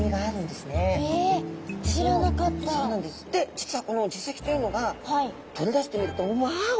実はこの耳石というのが取り出してみるとわお！